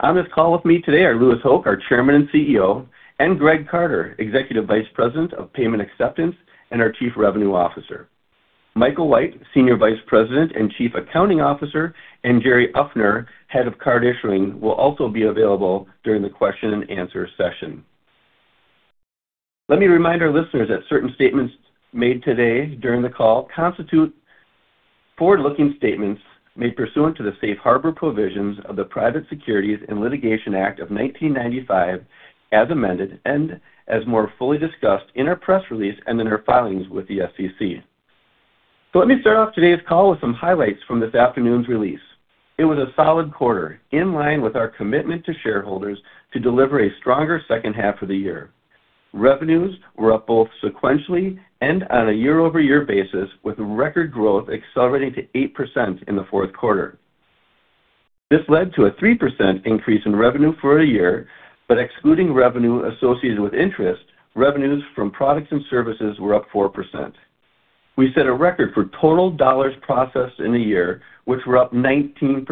On this call with me today are Louis Hoch, our Chairman and CEO, and Greg Carter, Executive Vice President of Payment Acceptance and our Chief Revenue Officer. Michael White, Senior Vice President and Chief Accounting Officer, and Jerry Uffner, Head of Card Issuing, will also be available during the question-and-answer session. Let me remind our listeners that certain statements made today during the call constitute forward-looking statements made pursuant to the safe harbor provisions of the Private Securities Litigation Reform Act of 1995, as amended, and as more fully discussed in our press release and in our filings with the SEC. Let me start off today's call with some highlights from this afternoon's release. It was a solid quarter in line with our commitment to shareholders to deliver a stronger second half of the year. Revenues were up both sequentially and on a year-over-year basis, with record growth accelerating to 8% in the fourth quarter. This led to a 3% increase in revenue for the year, but excluding revenue associated with interest, revenues from products and services were up 4%. We set a record for total dollars processed in the year, which were up 19%,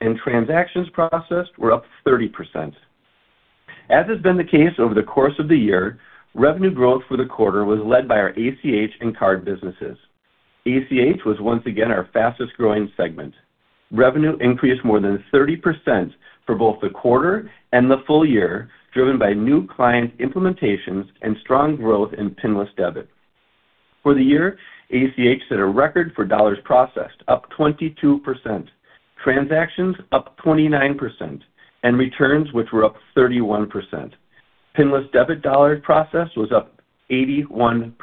and transactions processed were up 30%. As has been the case over the course of the year, revenue growth for the quarter was led by our ACH and card businesses. ACH was once again our fastest-growing segment. Revenue increased more than 30% for both the quarter and the full year, driven by new client implementations and strong growth in pinless debit. For the year, ACH set a record for dollars processed, up 22%, transactions up 29% and returns which were up 31%. Pinless debit dollars processed was up 81%.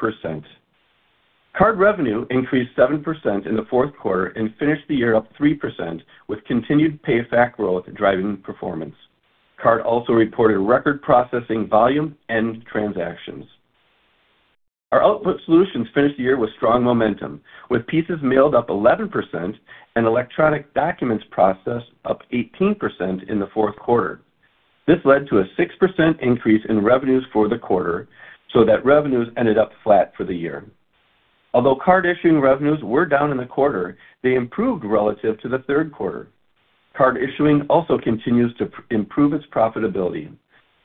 Card revenue increased 7% in the fourth quarter and finished the year up 3%, with continued PayFac growth driving performance. Card also reported record processing volume and transactions. Our Output Solutions finished the year with strong momentum, with pieces mailed up 11% and electronic documents processed up 18% in the fourth quarter. This led to a 6% increase in revenues for the quarter, so that revenues ended up flat for the year. Although Card Issuing revenues were down in the quarter, they improved relative to the third quarter. Card Issuing also continues to improve its profitability.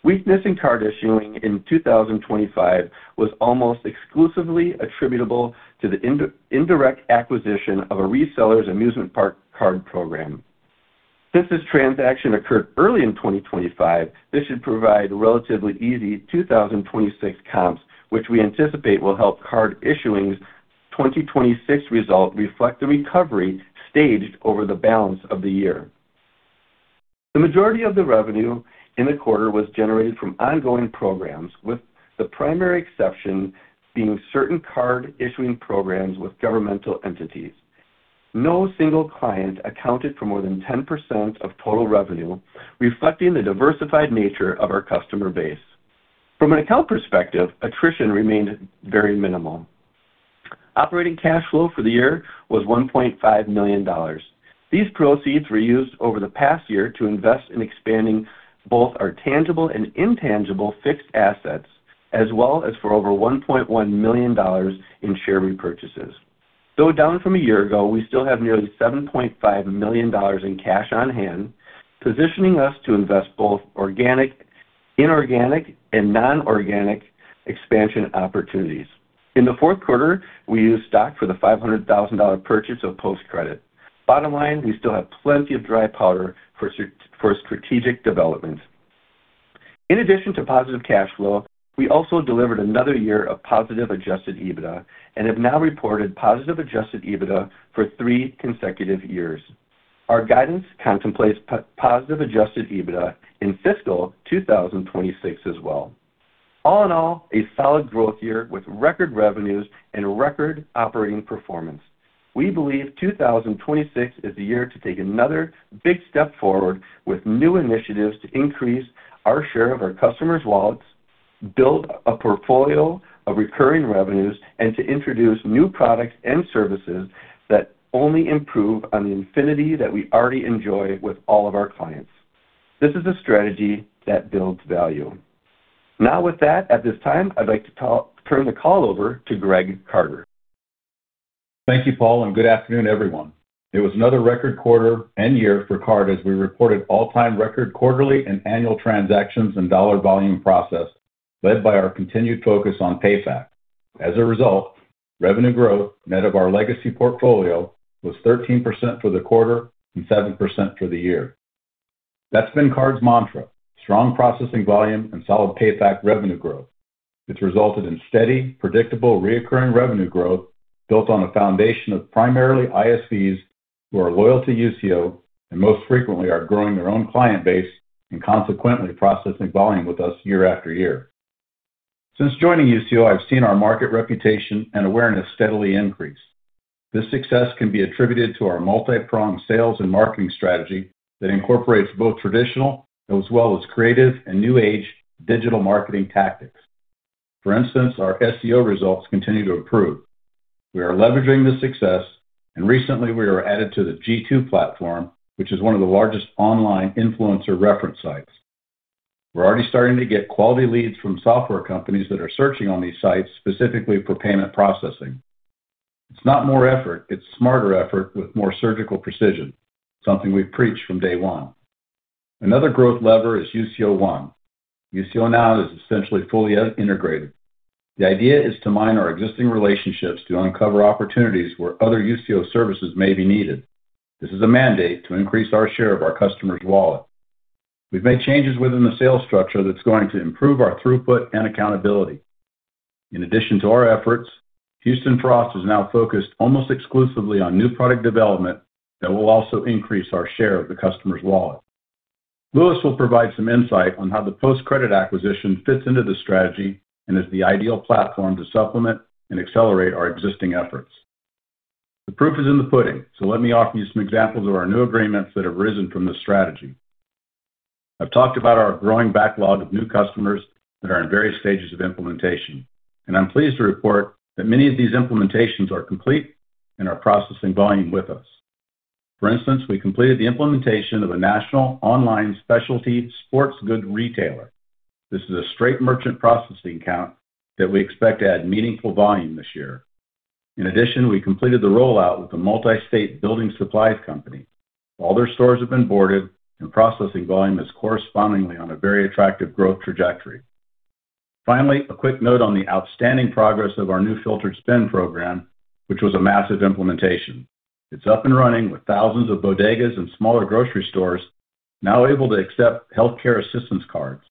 Weakness in Card Issuing in 2025 was almost exclusively attributable to the indirect acquisition of a reseller's amusement park card program. Since this transaction occurred early in 2025, this should provide relatively easy 2026 comps, which we anticipate will help Card Issuing 2026 results reflect the recovery staged over the balance of the year. The majority of the revenue in the quarter was generated from ongoing programs, with the primary exception being certain Card Issuing programs with governmental entities. No single client accounted for more than 10% of total revenue, reflecting the diversified nature of our customer base. From an account perspective, attrition remained very minimal. Operating cash flow for the year was $1.5 million. These proceeds were used over the past year to invest in expanding both our tangible and intangible fixed assets, as well as for over $1.1 million in share repurchases. Though down from a year ago, we still have nearly $7.5 million in cash on hand, positioning us to invest both organic, inorganic and non-organic expansion opportunities. In the fourth quarter, we used stock for the $500,000 purchase of PostCredit. Bottom line, we still have plenty of dry powder for strategic development. In addition to positive cash flow, we also delivered another year of positive adjusted EBITDA and have now reported positive adjusted EBITDA for three consecutive years. Our guidance contemplates positive adjusted EBITDA in fiscal 2026 as well. All in all, a solid growth year with record revenues and record operating performance. We believe 2026 is the year to take another big step forward with new initiatives to increase our share of our customers' wallets, build a portfolio of recurring revenues, and to introduce new products and services that only improve on the affinity that we already enjoy with all of our clients. This is a strategy that builds value. Now, with that, at this time, I'd like to turn the call over to Greg Carter. Thank you, Paul, and good afternoon, everyone. It was another record quarter and year for Card as we reported all-time record quarterly and annual transactions and dollar volume processed led by our continued focus on PayFac. As a result, revenue growth net of our legacy portfolio was 13% for the quarter and 7% for the year. That's been Card's mantra strong processing volume and solid PayFac revenue growth. It's resulted in steady, predictable, recurring revenue growth built on a foundation of primarily ISVs who are loyal to Usio and most frequently are growing their own client base and consequently processing volume with us year after year. Since joining Usio, I've seen our market reputation and awareness steadily increase. This success can be attributed to our multi-pronged sales and marketing strategy that incorporates both traditional as well as creative and new age digital marketing tactics. For instance, our SEO results continue to improve. We are leveraging this success and recently we are added to the G2 platform, which is one of the largest online influencer reference sites. We're already starting to get quality leads from software companies that are searching on these sites, specifically for payment processing. It's not more effort, it's smarter effort with more surgical precision, something we've preached from day one. Another growth lever is Usio One. Usio now is essentially fully integrated. The idea is to mine our existing relationships to uncover opportunities where other Usio services may be needed. This is a mandate to increase our share of our customer's wallet. We've made changes within the sales structure that's going to improve our throughput and accountability. In addition to our efforts, Houston Frost is now focused almost exclusively on new product development that will also increase our share of the customer's wallet. Louis will provide some insight on how the PostCredit acquisition fits into the strategy and is the ideal platform to supplement and accelerate our existing efforts. The proof is in the pudding, so let me offer you some examples of our new agreements that have arisen from this strategy. I've talked about our growing backlog of new customers that are in various stages of implementation, and I'm pleased to report that many of these implementations are complete and are processing volume with us. For instance, we completed the implementation of a national online specialty sports goods retailer. This is a straight merchant processing account that we expect to add meaningful volume this year. In addition, we completed the rollout with the multi-state building supplies company. All their stores have been boarded and processing volume is correspondingly on a very attractive growth trajectory. Finally, a quick note on the outstanding progress of our new Filtered Spend program, which was a massive implementation. It's up and running with thousands of bodegas and smaller grocery stores now able to accept healthcare assistance cards.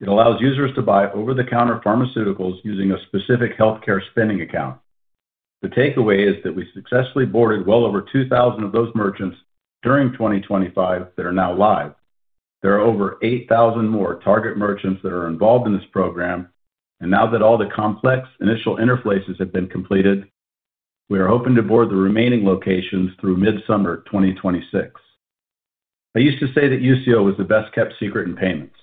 It allows users to buy over-the-counter pharmaceuticals using a specific healthcare spending account. The takeaway is that we successfully boarded well over 2,000 of those merchants during 2025 that are now live. There are over 8,000 more target merchants that are involved in this program, and now that all the complex initial interfaces have been completed, we are hoping to board the remaining locations through mid-summer 2026. I used to say that Usio was the best-kept secret in payments.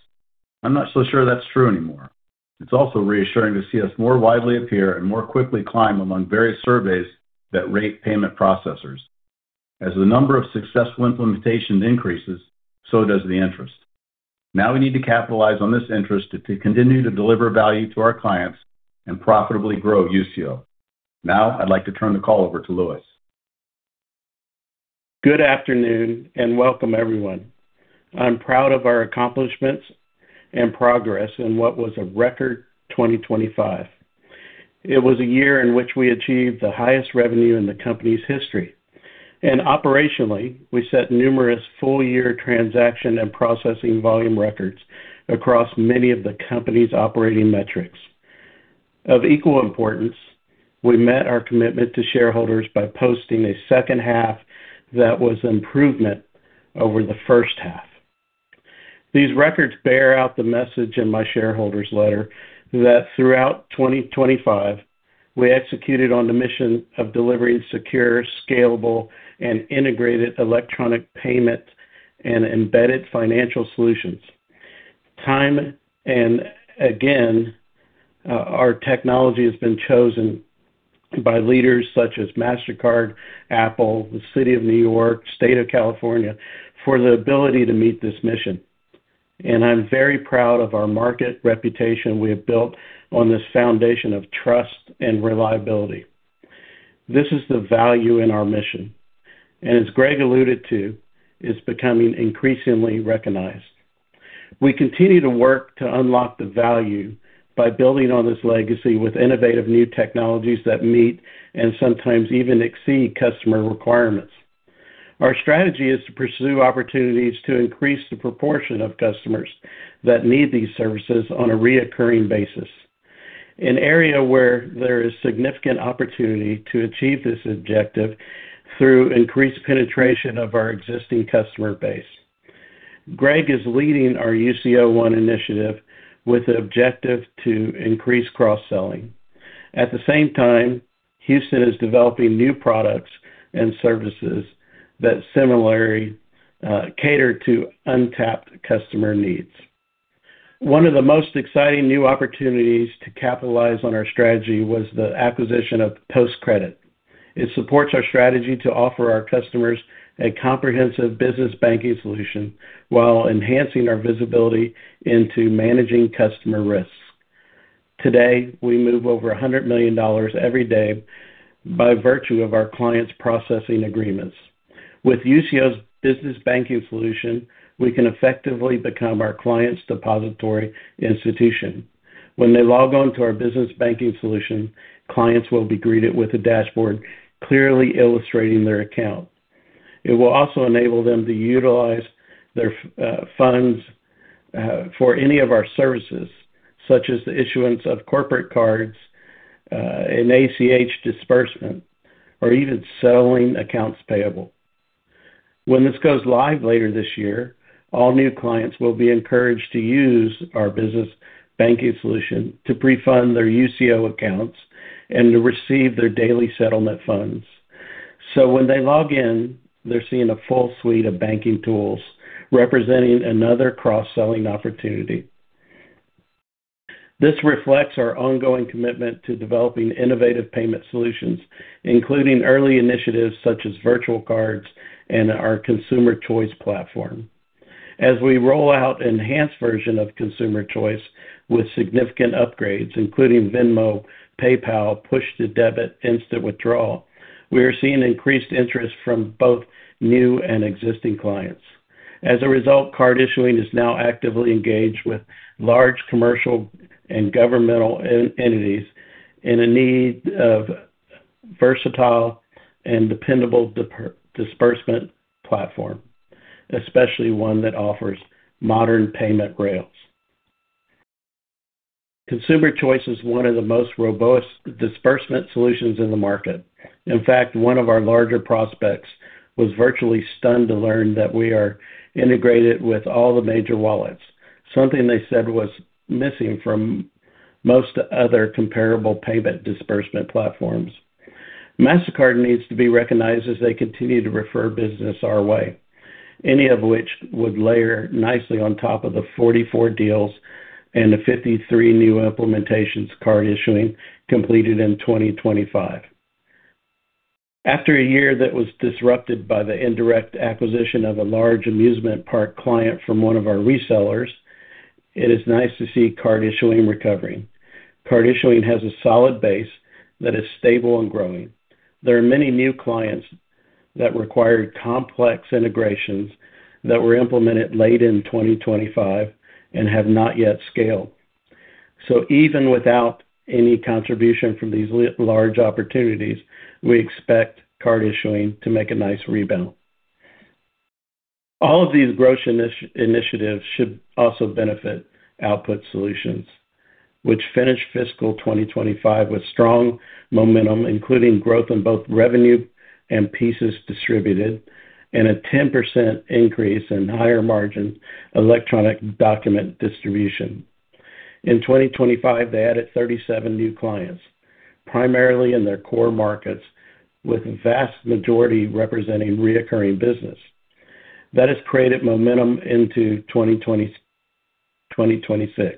I'm not so sure that's true anymore. It's also reassuring to see us more widely appear and more quickly climb among various surveys that rate payment processors. As the number of successful implementations increases, so does the interest. Now we need to capitalize on this interest to continue to deliver value to our clients and profitably grow Usio. Now, I'd like to turn the call over to Louis. Good afternoon and welcome everyone. I'm proud of our accomplishments and progress in what was a record 2025. It was a year in which we achieved the highest revenue in the company's history. Operationally, we set numerous full-year transaction and processing volume records across many of the company's operating metrics. Of equal importance, we met our commitment to shareholders by posting a second half that was improvement over the first half. These records bear out the message in my shareholder's letter that throughout 2025, we executed on the mission of delivering secure, scalable and integrated electronic payment and embedded financial solutions. Time and again, our technology has been chosen by leaders such as Mastercard, Apple, the City of New York, State of California for the ability to meet this mission. I'm very proud of our market reputation we have built on this foundation of trust and reliability. This is the value in our mission, and as Greg alluded to, it's becoming increasingly recognized. We continue to work to unlock the value by building on this legacy with innovative new technologies that meet and sometimes even exceed customer requirements. Our strategy is to pursue opportunities to increase the proportion of customers that need these services on a recurring basis, an area where there is significant opportunity to achieve this objective through increased penetration of our existing customer base. Greg is leading our Usio One initiative with the objective to increase cross-selling. At the same time, Houston is developing new products and services that similarly cater to untapped customer needs. One of the most exciting new opportunities to capitalize on our strategy was the acquisition of PostCredit, Co. It supports our strategy to offer our customers a comprehensive business banking solution while enhancing our visibility into managing customer risks. Today, we move over $100 million every day by virtue of our clients' processing agreements. With Usio's business banking solution, we can effectively become our clients' depository institution. When they log on to our business banking solution, clients will be greeted with a dashboard clearly illustrating their account. It will also enable them to utilize their funds for any of our services, such as the issuance of corporate cards, an ACH disbursement, or even settling accounts payable. When this goes live later this year, all new clients will be encouraged to use our business banking solution to pre-fund their Usio accounts and to receive their daily settlement funds. When they log in, they're seeing a full suite of banking tools representing another cross-selling opportunity. This reflects our ongoing commitment to developing innovative payment solutions, including early initiatives such as virtual cards and our Consumer Choice platform. As we roll out enhanced version of Consumer Choice with significant upgrades, including Venmo, PayPal, push to debit, instant withdrawal, we are seeing increased interest from both new and existing clients. As a result, Card Issuing is now actively engaged with large commercial and governmental entities in need of versatile and dependable disbursement platform, especially one that offers modern payment rails. Consumer Choice is one of the most robust disbursement solutions in the market. In fact, one of our larger prospects was virtually stunned to learn that we are integrated with all the major wallets, something they said was missing from most other comparable payment disbursement platforms. Mastercard needs to be recognized as they continue to refer business our way, any of which would layer nicely on top of the 44 deals and the 53 new implementations Card Issuing completed in 2025. After a year that was disrupted by the indirect acquisition of a large amusement park client from one of our resellers, it is nice to see Card Issuing recovering. Card Issuing has a solid base that is stable and growing. There are many new clients that require complex integrations that were implemented late in 2025 and have not yet scaled. Even without any contribution from these large opportunities, we expect Card Issuing to make a nice rebound. All of these growth initiatives should also benefit Output Solutions, which finished fiscal 2025 with strong momentum, including growth in both revenue and pieces distributed and a 10% increase in higher margin electronic document distribution. In 2025, they added 37 new clients, primarily in their core markets, with vast majority representing recurring business. That has created momentum into 2026.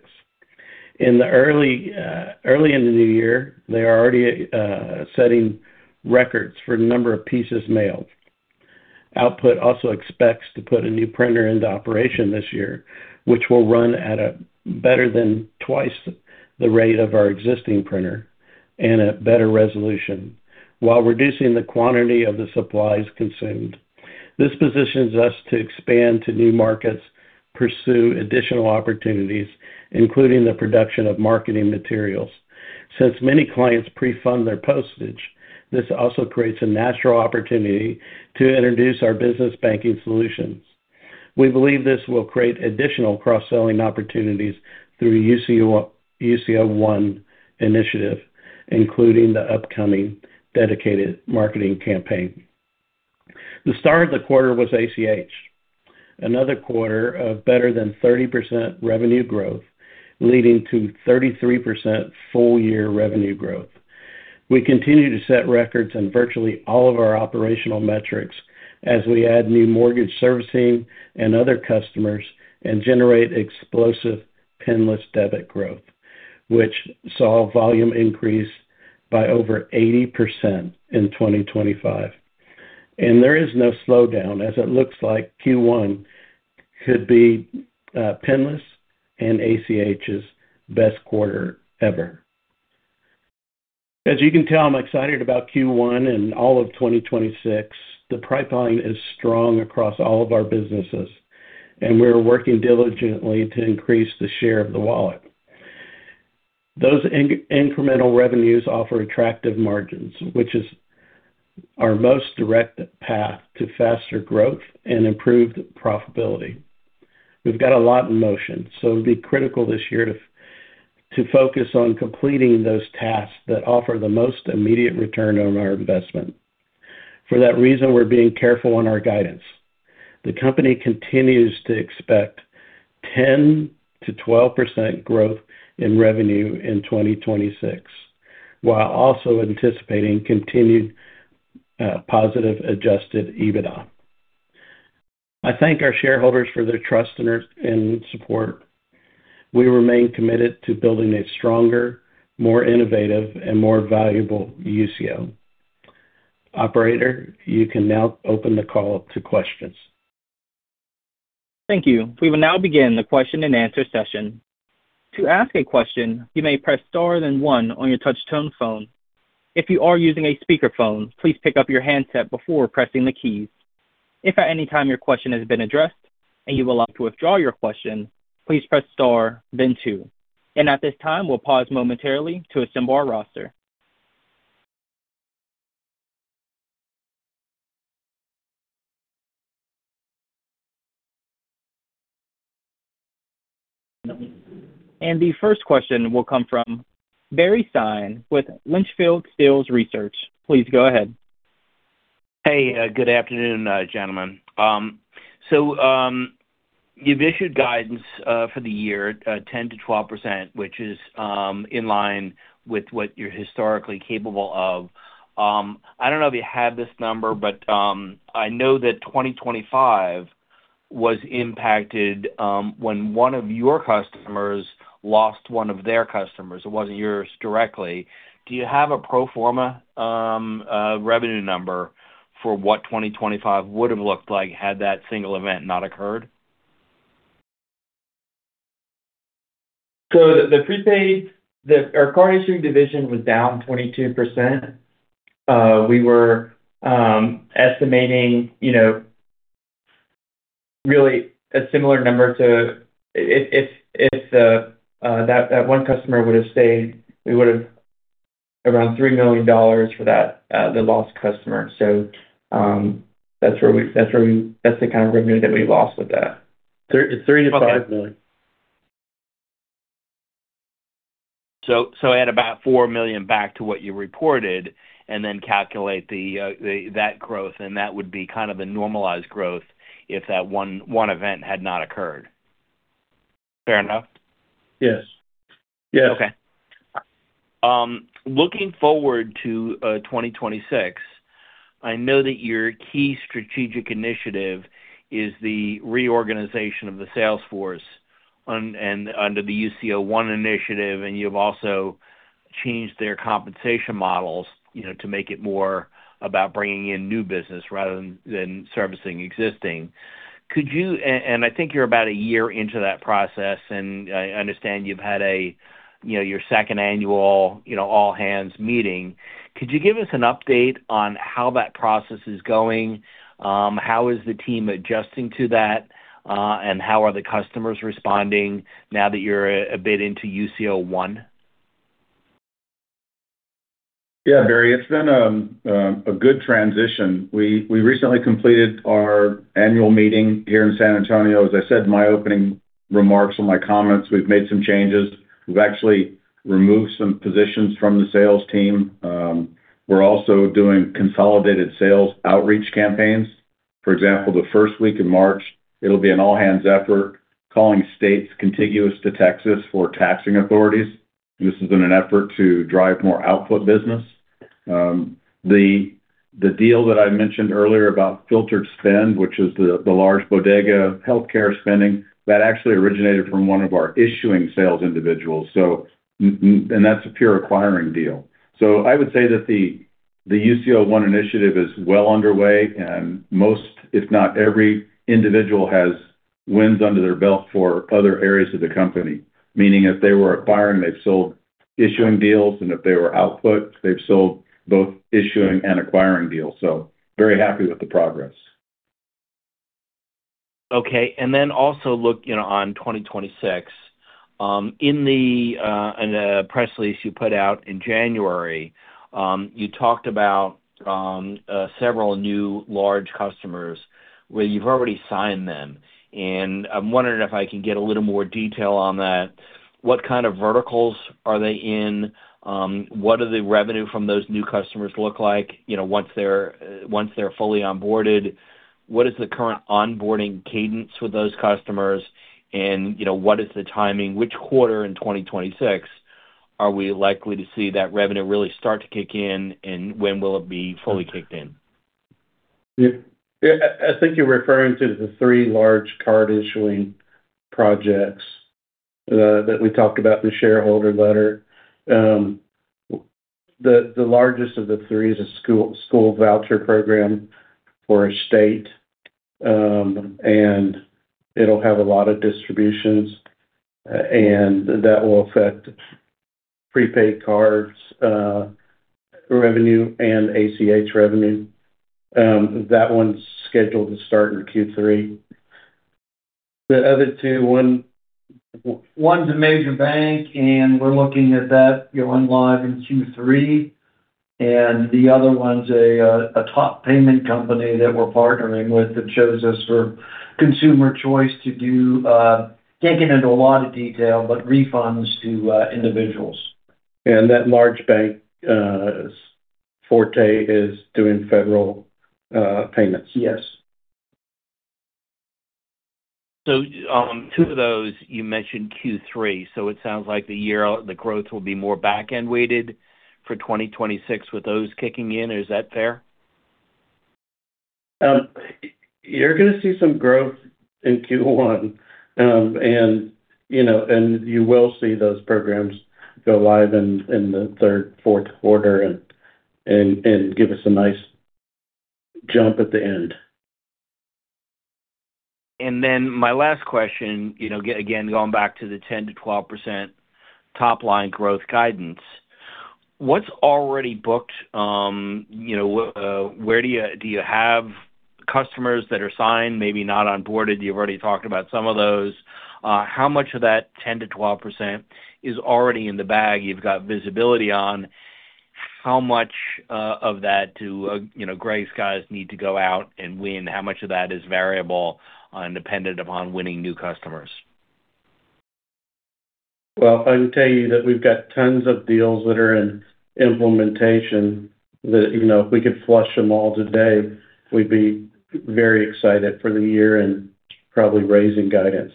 In the early in the new year, they are already setting records for number of pieces mailed. Output also expects to put a new printer into operation this year, which will run at a better than twice the rate of our existing printer and at better resolution while reducing the quantity of the supplies consumed. This positions us to expand to new markets, pursue additional opportunities, including the production of marketing materials. Since many clients pre-fund their postage, this also creates a natural opportunity to introduce our business banking solutions. We believe this will create additional cross-selling opportunities through Usio One initiative, including the upcoming dedicated marketing campaign. The star of the quarter was ACH, another quarter of better than 30% revenue growth, leading to 33% full year revenue growth. We continue to set records on virtually all of our operational metrics as we add new mortgage servicing and other customers and generate explosive pinless debit growth, which saw volume increase by over 80% in 2025. There is no slowdown as it looks like Q1 could be pinless and ACH's best quarter ever. As you can tell, I'm excited about Q1 and all of 2026. The pipeline is strong across all of our businesses, and we're working diligently to increase the share of the wallet. Those incremental revenues offer attractive margins, which is our most direct path to faster growth and improved profitability. We've got a lot in motion, so it'll be critical this year to focus on completing those tasks that offer the most immediate return on our investment. For that reason, we're being careful on our guidance. The company continues to expect 10%-12% growth in revenue in 2026, while also anticipating continued positive adjusted EBITDA. I thank our shareholders for their trust and our support. We remain committed to building a stronger, more innovative and more valuable Usio. Operator, you can now open the call to questions. Thank you. We will now begin the question and answer session. To ask a question, you may press star then one on your touch tone phone. If you are using a speakerphone, please pick up your handset before pressing the keys. If at any time your question has been addressed and you would like to withdraw your question, please press star then two. At this time, we'll pause momentarily to assemble our roster. The first question will come from Barry Sine with Litchfield Hills Research. Please go ahead. Hey, good afternoon, gentlemen. You've issued guidance for the year, 10%-12%, which is in line with what you're historically capable of. I don't know if you have this number, but I know that 2025 was impacted when one of your customers lost one of their customers. It wasn't yours directly. Do you have a pro forma revenue number for what 2025 would have looked like had that single event not occurred? Our Card Issuing division was down 22%. We were estimating, you know, really a similar number to if that one customer would have stayed, we would have around $3 million for that, the lost customer. That's the kind of revenue that we lost with that. $3 million-$5 million. add about $4 million back to what you reported and then calculate the that growth, and that would be kind of the normalized growth if that one event had not occurred. Fair enough? Yes. Yes. Okay. Looking forward to 2026, I know that your key strategic initiative is the reorganization of the sales force and under the Usio One initiative, and you've also changed their compensation models, you know, to make it more about bringing in new business rather than servicing existing. I think you're about a year into that process, and I understand you've had your second annual all-hands meeting. Could you give us an update on how that process is going? How is the team adjusting to that? How are the customers responding now that you're a bit into Usio One? Yeah, Barry, it's been a good transition. We recently completed our annual meeting here in San Antonio. As I said in my opening remarks or my comments, we've made some changes. We've actually removed some positions from the sales team. We're also doing consolidated sales outreach campaigns. For example, the first week in March, it'll be an all-hands effort, calling states contiguous to Texas for taxing authorities. This has been an effort to drive more output business. The deal that I mentioned earlier about Filtered Spend, which is the large bodega healthcare spending, that actually originated from one of our issuing sales individuals. And that's a pure acquiring deal. I would say that the Usio One initiative is well underway, and most, if not every individual, has wins under their belt for other areas of the company. Meaning if they were acquiring, they've sold issuing deals, and if they were output, they've sold both issuing and acquiring deals. Very happy with the progress. Okay. Then also look, you know, on 2026, in a press release you put out in January, you talked about several new large customers where you've already signed them. I'm wondering if I can get a little more detail on that. What kind of verticals are they in? What are the revenue from those new customers look like, you know, once they're fully onboarded? What is the current onboarding cadence with those customers? You know, what is the timing? Which quarter in 2026 are we likely to see that revenue really start to kick in, and when will it be fully kicked in? Yeah. I think you're referring to the 3 large Card Issuing projects that we talked about in the shareholder letter. The largest of the 3 is a school voucher program for a state, and it'll have a lot of distributions, and that will affect prepaid cards revenue and ACH revenue. That one's scheduled to start in Q3. The other two, one's a major bank, and we're looking at that going live in Q3. The other one's a top payment company that we're partnering with that chose us for Consumer Choice to do, can't get into a lot of detail, but refunds to individuals. That large bank, Forte is doing federal payments. Yes. Two of those you mentioned Q3. It sounds like the growth will be more back-end weighted for 2026 with those kicking in. Is that fair? You're gonna see some growth in Q1. You know, you will see those programs go live in the third, fourth quarter and give us a nice jump at the end. My last question, you know, again, going back to the 10%-12% top-line growth guidance. What's already booked? You know, where do you have customers that are signed, maybe not onboarded? You've already talked about some of those. How much of that 10%-12% is already in the bag you've got visibility on? How much of that do you know, Greg's guys need to go out and win? How much of that is variable and dependent upon winning new customers? Well, I can tell you that we've got tons of deals that are in implementation that, you know, if we could flush them all today, we'd be very excited for the year and probably raising guidance.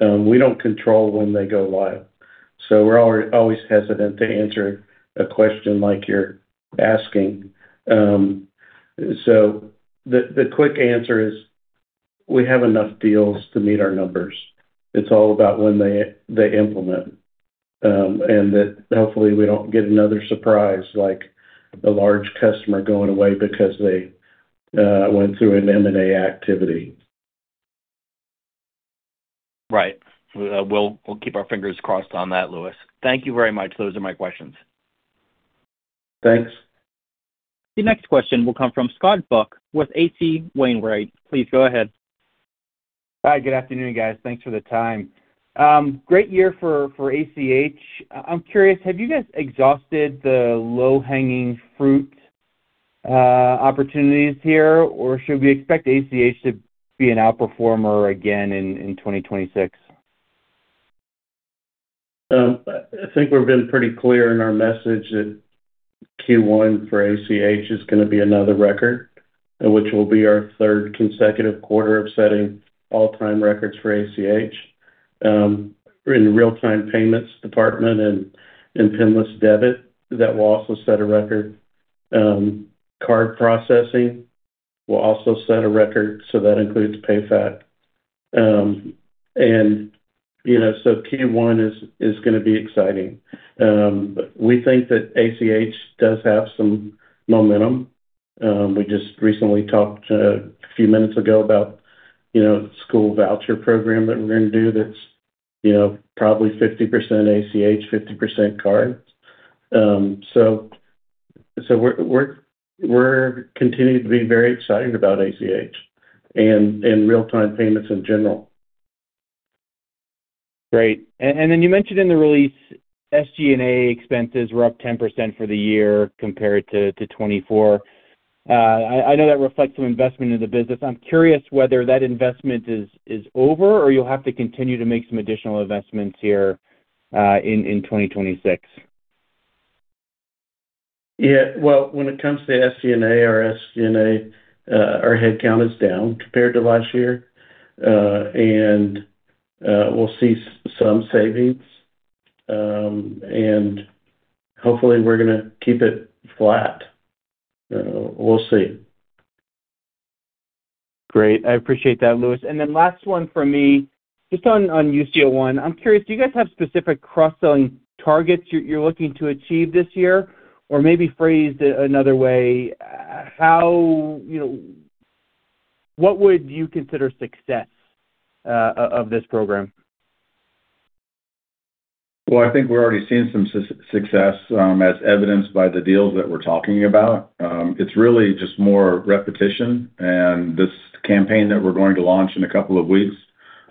We don't control when they go live, so we're always hesitant to answer a question like you're asking. The quick answer is we have enough deals to meet our numbers. It's all about when they implement. That hopefully we don't get another surprise like a large customer going away because they went through an M&A activity. Right. We'll keep our fingers crossed on that, Louis. Thank you very much. Those are my questions. Thanks. The next question will come from Scott Buck with H.C. Wainwright & Co. Please go ahead. Hi. Good afternoon, guys. Thanks for the time. Great year for ACH. I'm curious, have you guys exhausted the low-hanging fruit opportunities here, or should we expect ACH to be an outperformer again in 2026? I think we've been pretty clear in our message that Q1 for ACH is gonna be another record, which will be our third consecutive quarter of setting all-time records for ACH. In real-time payments and pinless debit, that will also set a record. Card processing will also set a record, so that includes PayFac. You know, Q1 is gonna be exciting. We think that ACH does have some momentum. We just recently talked a few minutes ago about, you know, school voucher program that we're gonna do that's, you know, probably 50% ACH, 50% card. We're continuing to be very excited about ACH and real-time payments in general. Great. Then you mentioned in the release SG&A expenses were up 10% for the year compared to 2024. I know that reflects some investment in the business. I'm curious whether that investment is over or you'll have to continue to make some additional investments here in 2026. Yeah. Well, when it comes to SG&A, our headcount is down compared to last year, and we'll see some savings, and hopefully we're gonna keep it flat. We'll see. Great. I appreciate that, Louis. Last one for me, just on Usio One. I'm curious, do you guys have specific cross-selling targets you're looking to achieve this year? Or maybe phrased another way, how, you know, what would you consider success of this program? Well, I think we're already seeing some success as evidenced by the deals that we're talking about. It's really just more repetition, and this campaign that we're going to launch in a couple of weeks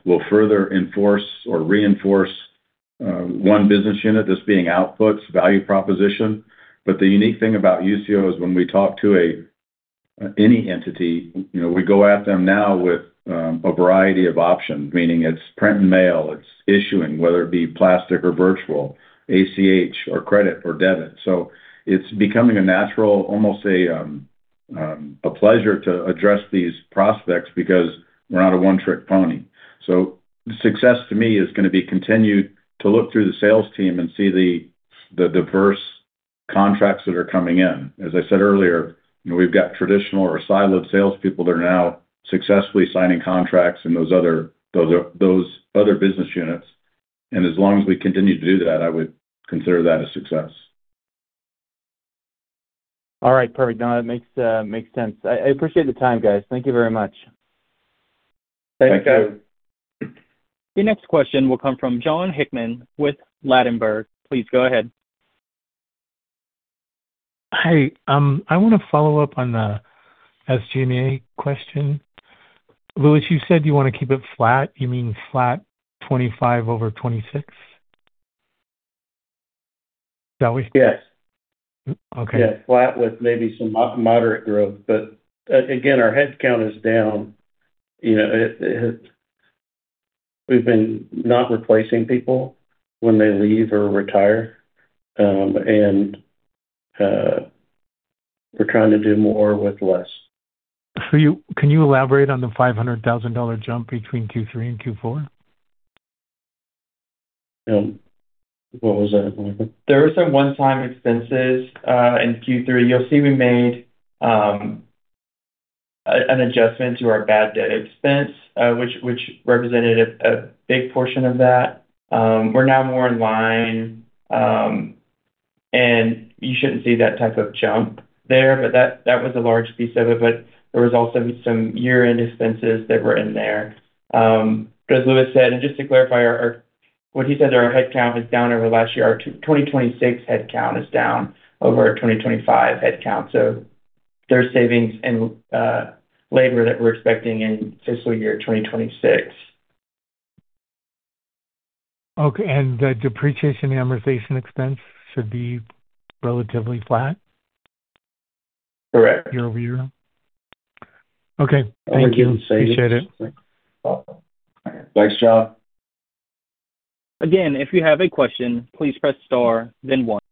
will further enforce or reinforce one business unit, this being Output Solutions' value proposition. The unique thing about Usio is when we talk to any entity, you know, we go at them now with a variety of options, meaning it's print and mail, it's issuing, whether it be plastic or virtual, ACH or credit or debit. It's becoming a natural, almost a pleasure to address these prospects because we're not a one-trick pony. Success to me is gonna be continued to look through the sales team and see the diverse contracts that are coming in. As I said earlier, you know, we've got traditional or siloed salespeople that are now successfully signing contracts in those other business units. As long as we continue to do that, I would consider that a success. All right. Perfect. No, that makes sense. I appreciate the time, guys. Thank you very much. Thank you. The next question will come from Jon Hickman with Ladenburg Thalmann. Please go ahead. I wanna follow up on the SG&A question. Louis, you said you wanna keep it flat. You mean flat 2025 over 2026? Is that what? Yes. Okay. Yes. Flat with maybe some moderate growth. Again, our head count is down. You know, it. We've been not replacing people when they leave or retire, and we're trying to do more with less. Can you elaborate on the $500,000 jump between Q3 and Q4? What was that, Michael? There were some one-time expenses in Q3. You'll see we made an adjustment to our bad debt expense, which represented a big portion of that. We're now more in line, and you shouldn't see that type of jump there, but that was a large piece of it. There was also some year-end expenses that were in there. As Louis said, and just to clarify what he said, our head count is down over last year. Our 2026 head count is down over our 2025 head count. There's savings in labor that we're expecting in fiscal year 2026. Okay. The depreciation and amortization expense should be relatively flat? Correct. Year-over-year. Okay. Thank you. Appreciate it. Thanks, Jon. Again, if you have a question, please press star then one.